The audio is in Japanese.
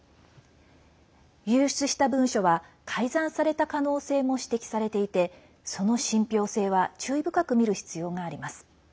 流出した文書は改ざんされた可能性も指摘されていてその信ぴょう性は注意深く見る必要があります。